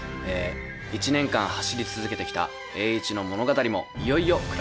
１年間走り続けてきた栄一の物語もいよいよクライマックス！